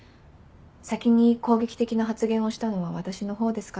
先に攻撃的な発言をしたのは私の方ですから。